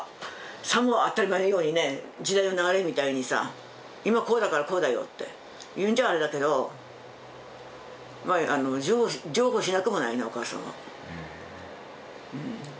さも当たり前のようにね時代の流れみたいにさ「今こうだからこうだよ」って言うんじゃあれだけどまあ譲歩しなくもないなお母さんは。